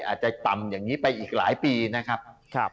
อาจจะต่ำอย่างนี้ไปอีกหลายปีนะครับ